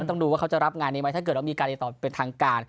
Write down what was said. ต้องดูว่าเขาจะรับงานนี้ไหมถ้าเกิดว่ามีการติดต่อเป็นทางการ